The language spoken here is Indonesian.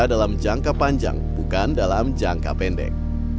dalam jangka panjang bukan dalam jangka pendek